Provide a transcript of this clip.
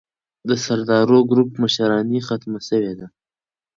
د سردارو ګروپ مشراني ختمه سوې ده.